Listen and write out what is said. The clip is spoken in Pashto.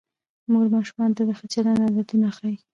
مور ماشومانو ته د ښه چلند عادتونه ښيي